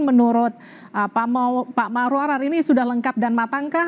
menurut pak maurer hari ini sudah lengkap dan matangkah